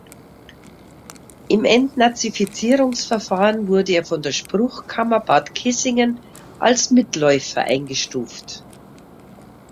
Im Entnazifizierungsverfahren wurde er von der Spruchkammer Bad Kissingen als "Mitläufer" eingestuft.